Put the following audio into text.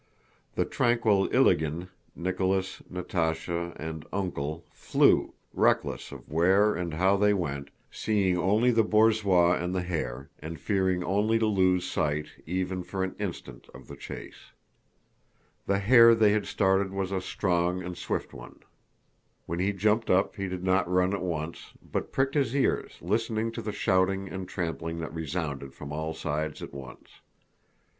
The tranquil Ilágin, Nicholas, Natásha, and "Uncle" flew, reckless of where and how they went, seeing only the borzois and the hare and fearing only to lose sight even for an instant of the chase. The hare they had started was a strong and swift one. When he jumped up he did not run at once, but pricked his ears listening to the shouting and trampling that resounded from all sides at once.